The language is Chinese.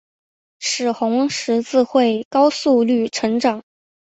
使红十字会高速率成长。